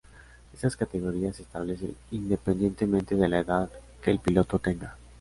Estas categorías se establecen independientemente de la edad que el piloto tenga.